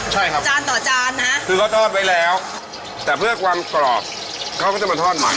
ใช่ครับจานต่อจานนะคือเขาทอดไว้แล้วแต่เพื่อความกรอบเขาก็จะมาทอดมัน